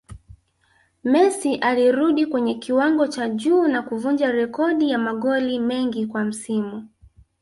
Messi alirudi kwenye kiwango cha juu na kuvunja rekodi ya magoli mengi kwa msimu